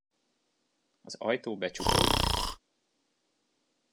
Az ajtó becsukódik.